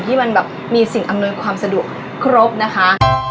ที่มันแบบมีสิ่งอำนวยความสะดวกครบนะคะ